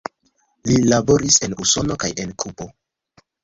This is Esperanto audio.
Li laboris en Usono kaj en Kubo.